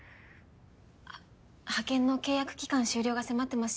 あっ派遣の契約期間終了が迫ってます